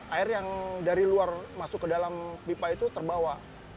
air yang dari luar masuk ke dalam pipa itu terbawa